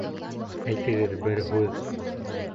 Әйтегеҙ бер һүҙ!